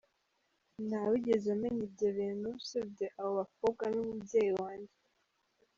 Ntawigeze amenya ibyo bintu usibye abo bakobwa n’umubyeyi wanjye.